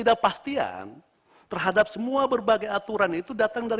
amat proclaiming itu maksudnya